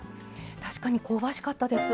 確かに香ばしかったです。